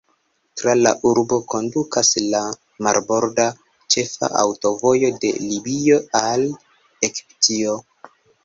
Tra la urbo kondukas la marborda ĉefa aŭtovojo de Libio al Egiptio.